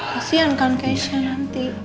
kasihan kan kesya nanti